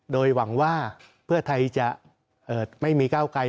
โดยหวังว่าเพื่อไทยจะไม่มีก้าวไกล